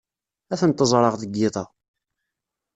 Ad tent-ẓreɣ deg yiḍ-a.